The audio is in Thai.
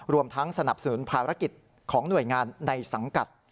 รวมทั้งสนับสนุนภารกิจของหน่วยงานในสังกัด